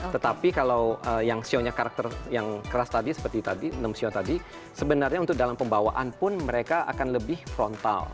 tetapi kalau yang sionya karakter yang keras tadi seperti tadi enam sio tadi sebenarnya untuk dalam pembawaan pun mereka akan lebih frontal